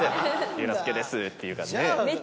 「隆之介です」っていう感じで。